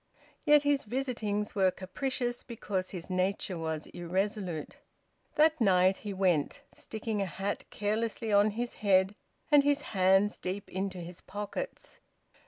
Yet his visitings were capricious because his nature was irresolute. That night he went, sticking a hat carelessly on his head, and his hands deep into his pockets.